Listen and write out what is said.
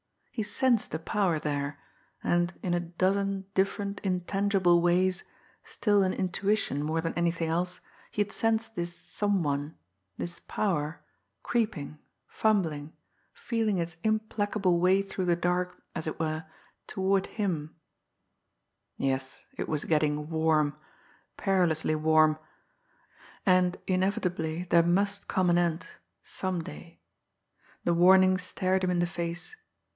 He sensed a power there; and in a dozen different, intangible ways, still an intuition more than anything else, he had sensed this "some one," this power, creeping, fumbling, feeling its implacable way through the dark, as it were, toward him. Yes, it was getting "warm" perilously warm! And inevitably there must come an end some day. The warning stared him in the face.